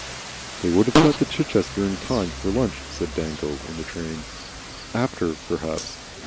"They would have got to Chichester in time for lunch," said Dangle, in the train. "After, perhaps.